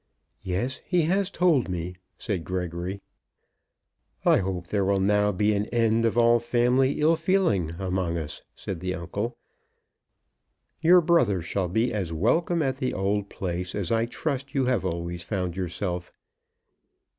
"Yes; he has told me," said Gregory. "I hope there will now be an end of all family ill feeling among us," said the uncle. "Your brother shall be as welcome at the old place as I trust you have always found yourself.